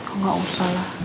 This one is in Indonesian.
oh gak usah lah